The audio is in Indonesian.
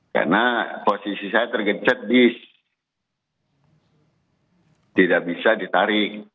karena posisi saya tergenset di tidak bisa ditarik